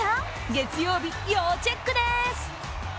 月曜日、要チェックです。